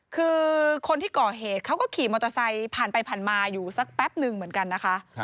คือคนที่ก่อเหตุเขาก็ขี่มอเตอร์ไซค์ผ่านไปผ่านมาอยู่สักแป๊บนึงเหมือนกันนะคะ